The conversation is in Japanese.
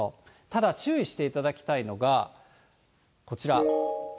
ただ、注意していただきたいのが、こちら。